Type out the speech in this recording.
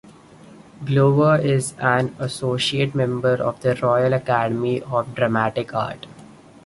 Glover is an Associate Member of the Royal Academy of Dramatic Art.